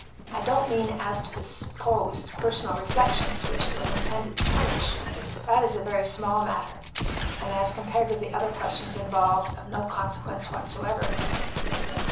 I don't mean as to the supposed personal reflections which it was intended to punish; that is a very small matter, and as compared with the other questions involved, of no consequence whatever."